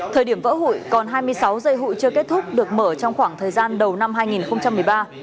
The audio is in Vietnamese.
thời điểm vỡ hụi còn hai mươi sáu dây hụi chưa kết thúc được mở trong khoảng thời gian đầu năm hai nghìn một mươi ba